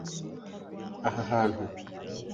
Aha hantu